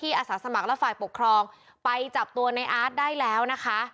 อาสาสมัครและฝ่ายปกครองไปจับตัวในอาร์ตได้แล้วนะคะ